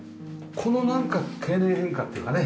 この経年変化っていうかね。